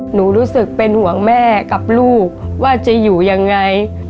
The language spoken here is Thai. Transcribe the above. รู้สึกเป็นห่วงแม่กับลูกว่าจะอยู่ยังไง